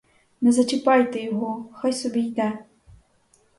Не зачіпайте його, хай собі йде!